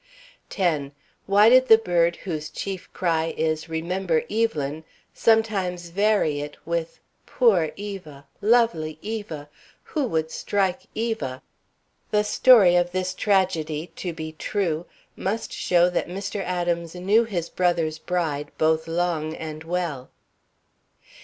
10. Why did the bird whose chief cry is "Remember Evelyn!" sometimes vary it with "Poor Eva! Lovely Eva! Who would strike Eva?" The story of this tragedy, to be true, must show that Mr. Adams knew his brother's bride both long and well.